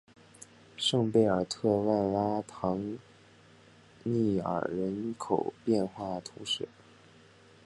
圣贝尔特万拉唐涅尔人口变化图示